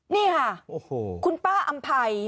นี่ค่ะคุณป้าอำภัย